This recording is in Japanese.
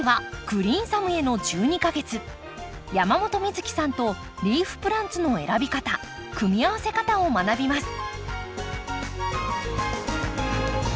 山本美月さんとリーフプランツの選び方組み合わせ方を学びます。